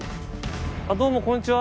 どうもこんにちは。